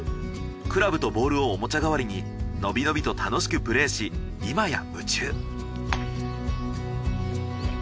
クラブとボールをおもちゃ代わりに伸び伸びと楽しくプレーし今や夢中。